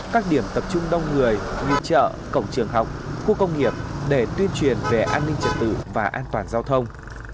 các điểm tập trung đông người như chợ cổng trường học khu công nghiệp để tuyên truyền về an ninh trật tự và an toàn giao thông